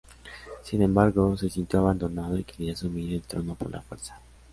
Sin embargo, se sintió abandonado y quería asumir el trono por la fuerza.